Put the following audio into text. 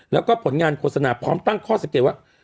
แล้วก็ผลงานโฆษณาพร้อมตั้งข้อสังเกตว่า